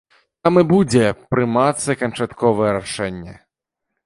Там і будзе прымацца канчатковае рашэнне.